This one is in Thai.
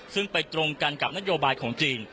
ซึ่งไปตรงกันกับนโยบายของจีน